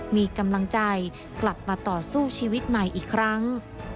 มีกำลังใจกลับมาต่อสู้ชีวิตใหม่อีกครั้ง